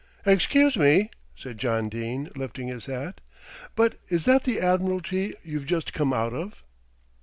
"Excuse me," said John Dene, lifting his hat, "but is that the Admiralty you've just come out of?"